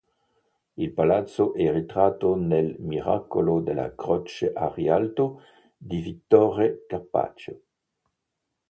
Il palazzo è ritratto nel Miracolo della Croce a Rialto di Vittore Carpaccio.